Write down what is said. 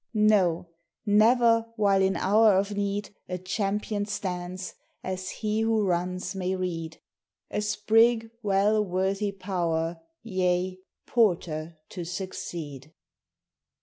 No, never, while in hour of need A champion stands, as he who runs may read A Sprigg well worthy power; yea, Porter to succeed.